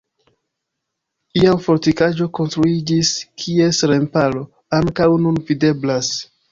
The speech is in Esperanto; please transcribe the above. Iam fortikaĵo konstruiĝis, kies remparo ankaŭ nun videblas.